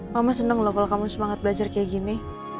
mama seneng loh kalo kamu semangat belajar kayak gini